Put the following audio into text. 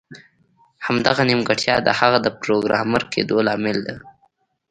همدغه نیمګړتیا د هغه د پروګرامر کیدو لامل ده